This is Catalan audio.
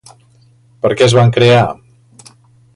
Per què es van crear?